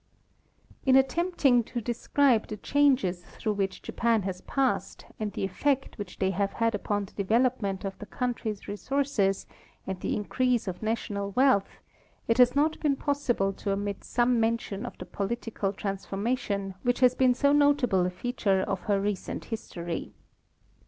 In attempting to describe the changes through which Japan has passed and the effect which they have had upon the develop ment of the country's resources and the increase of national wealth it has not been possible to omit some mention of the political transformation which has been so notable a feature of Changes in the Form of the Government. 197 her recent history.